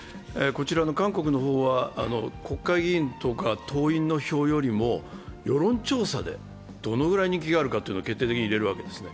韓国の方は国会議員とか党員の票よりも世論調査でどのぐらい人気があるかというのが決定的に入れるわけですね。